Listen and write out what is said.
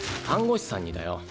看護師さんにだよ。